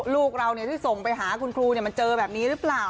ลูกเราที่ส่งไปหาคุณครูมันเจอแบบนี้หรือเปล่า